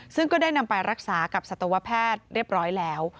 ซึ่งก็ได้นำไปรักษากับสัตวแพทย์เรียบร้อยแล้ว